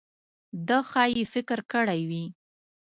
ده ښايي فکر کړی وي.